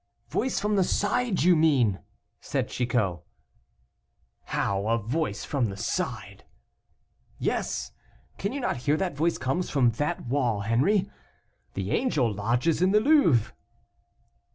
"Voice from the side, you mean," said Chicot. "How! a voice from the side?" "Yes; can you not hear that the voice comes from that wall, Henri? the angel lodges in the Louvre."